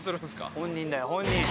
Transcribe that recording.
本人だよ本人。